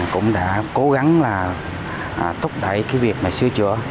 cũng đã cố gắng là thúc đẩy cái việc mà sửa chữa